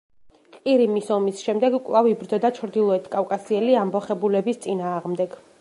ყირიმის ომის შემდეგ კვლავ იბრძოდა ჩრდილოეთ კავკასიელი ამბოხებულების წინააღმდეგ.